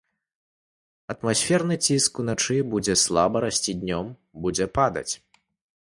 Атмасферны ціск уначы будзе слаба расці, днём будзе падаць.